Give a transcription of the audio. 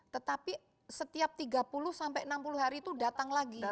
tetapi setiap tiga puluh sampai enam puluh hari itu datang lagi